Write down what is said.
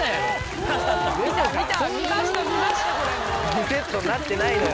２セットになってないのよ。